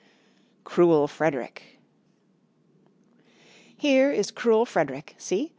Cruel Frederick Here is cruel Frederick, see!